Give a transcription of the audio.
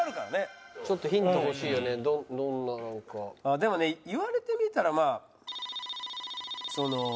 でもね言われてみたらまあその。